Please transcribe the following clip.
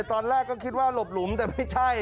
ตอนแรกก็คิดว่าหลบหลุมแต่ไม่ใช่